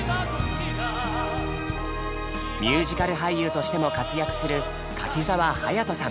ミュージカル俳優としても活躍する柿澤勇人さん。